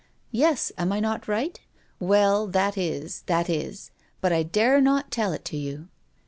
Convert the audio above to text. Yes, am I not right? Well, that is that is but I dare not tell it to you!"